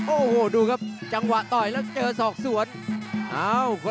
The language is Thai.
โอ้โหดูครับจังหวะต่อยแล้วเจอศอกสวน